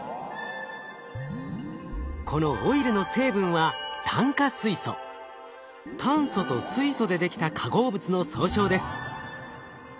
このオイルの成分は炭素と水素でできた化合物の総称です。